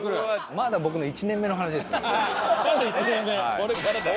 まだ僕の１年目の話ですからね。